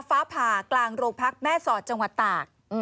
ฟ้าผ่ากลางโรงพักแม่สอดจังหวัดตาก